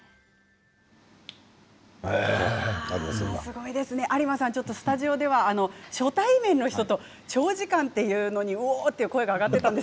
すごいですね有馬さん、スタジオでは初対面の人と長時間っていうのにおー！という声が上がりました。